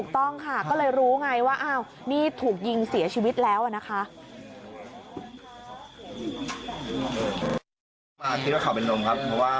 ต้องค่ะก็เลยรู้ไงว่าอ้าวนี่ถูกยิงเสียชีวิตแล้วนะคะ